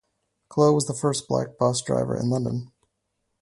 Clough was the first Black bus driver in London.